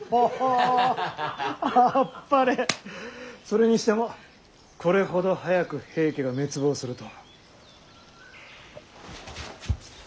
それにしてもこれほど早く平家が滅亡するとは。